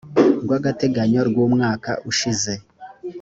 rw agateganyo rw umwaka ushize